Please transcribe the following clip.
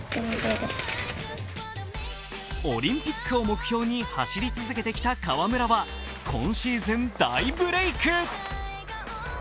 オリンピックを目標に走り続けてきた川村は今シーズン大ブレイク。